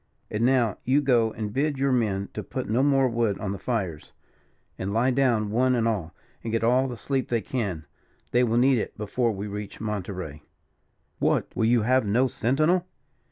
And now, you go and bid your men to put no more wood on the fires, and lie down one and all, and get all the sleep they can. They will need it before we reach Monterey." "What! will you have no sentinel?"